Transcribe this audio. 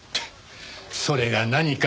それが何か？